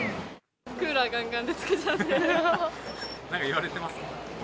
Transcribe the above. クーラーがんがんでつけちゃ何か言われてます？